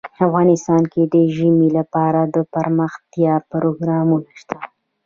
افغانستان کې د ژمی لپاره دپرمختیا پروګرامونه شته.